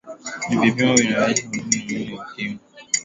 na vipimo vinaonyesha mtoto huyu ameambukizwa virusi vya ukimwi